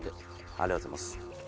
ありがとうございます。